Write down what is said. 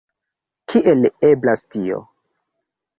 Kiel eblas tio?